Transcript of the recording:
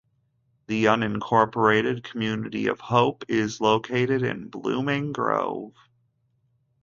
The unincorporated community of Hope is located in Blooming Grove.